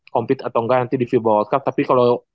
compete atau enggak nanti di fiba world cup tapi kalau